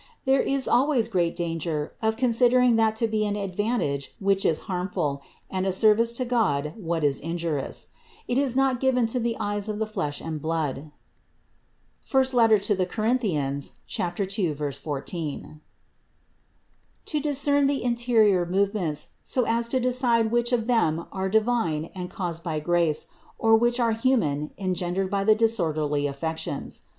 There is always great dan ger of considering that to be an advantage which is harmful, and a service to God, what is injurious. It is not given to eyes of the flesh and blood (I Cor. 2, 14) to discern the interior movements, so as to decide which of them are divine and caused by grace, or which are human, engendered by the disorderly affections.